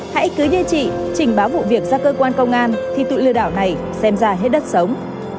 hãy cứ như chị trình báo vụ việc ra cơ quan công an thì tội lừa đảo này xem ra hết đất sống